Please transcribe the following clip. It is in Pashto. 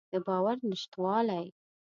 د باور نشتوالی.